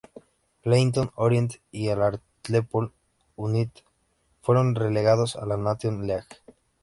Leyton Orient y el Hartlepool United fueron relegados a la National League